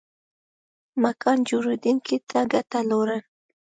مکان جوړېدنک دې ګټه لورن